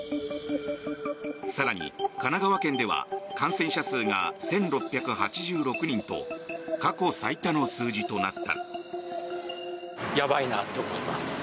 更に、神奈川県では感染者数が１６８６人と過去最多の数字となった。